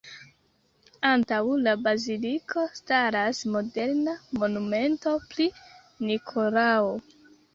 Antaŭ la baziliko staras moderna monumento pri Nikolao.